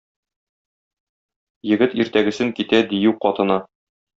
Егет иртәгесен китә дию катына.